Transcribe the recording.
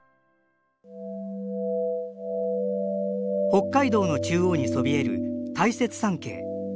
北海道の中央にそびえる大雪山系。